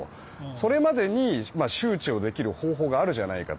それまでに周知をできる方法があるじゃないかと。